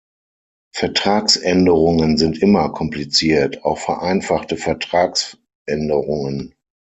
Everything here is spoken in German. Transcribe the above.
Vertragsänderungen sind immer kompliziert, auch vereinfachte Vertragsänderungen.